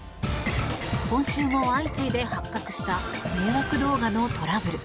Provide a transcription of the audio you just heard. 今週も相次いで発覚した迷惑動画のトラブル。